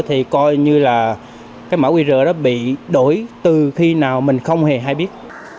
thì coi như là cái mã qr đó bị đổi từ khi nào mình không hề hay biết